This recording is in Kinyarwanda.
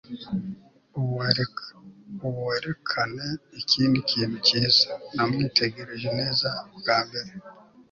ubu werekane ikindi kintu cyiza. namwitegereje neza bwa mbere